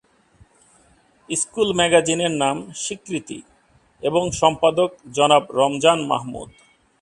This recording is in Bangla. স্কুল ম্যাগাজিনের নাম 'স্বীকৃতি' এবং সম্পাদক জনাব রমজান মাহমুদ।